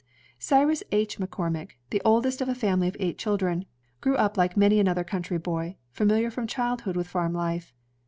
Cyrus H. McCormick, the oldest of a family of eight chil dren, grew up like many another country boy, familiar from childhood with farm life.